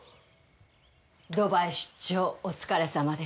ドバイ出張お疲れさまでした。